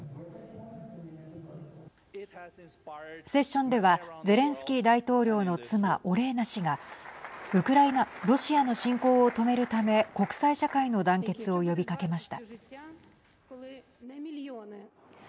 セッションではゼレンスキー大統領の妻オレーナ氏がロシアの侵攻を止めるため国際社会の団結を呼びかけました。